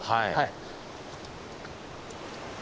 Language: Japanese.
はい。